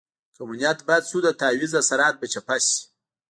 که مو نیت بد شو د تعویض اثرات به چپه شي.